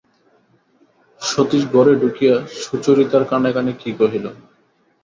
সতীশ ঘরে ঢুকিয়া সুচরিতার কানে কানে কী কহিল।